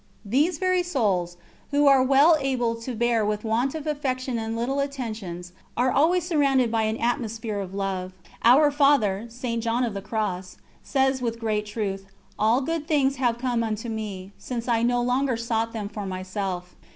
These very souls who are well able to bear with want of affection and little attentions are always surrounded by an atmosphere of love. Our Father, St. John of the Cross, says with great truth: "All good things have come unto me, since I no longer sought them for myself."